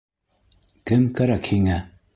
Кем кәрәк һиңә?